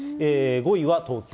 ５位は東京。